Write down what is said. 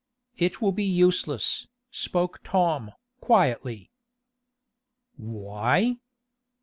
"It will be useless," spoke Tom, quietly. "Why?"